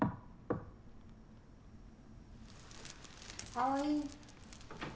葵。